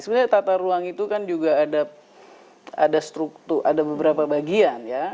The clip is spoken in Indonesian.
sebenarnya tata ruang itu kan juga ada struktur ada beberapa bagian ya